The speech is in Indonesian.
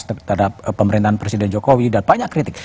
terhadap pemerintahan presiden jokowi dan banyak kritik